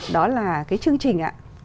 đó là cái chương trình